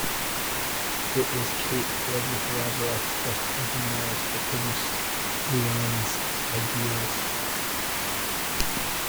It was Kate bred with Laverack's best hunting males that produced Llewellin's ideals Fd.Ch.Ch.